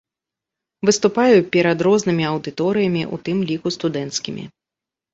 Выступаю перад рознымі аўдыторыямі, у тым ліку студэнцкімі.